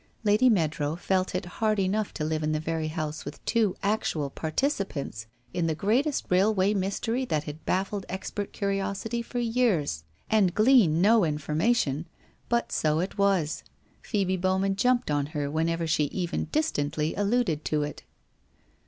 Lady Meadrow felt it hard enough to live in the very house with two actual participants in the greatest railway mystery that had baffled expert curiosity for years, and glean no informa tion, but so it was, Phcebe Bowman jumped on her when ever she even distantly alluded to it.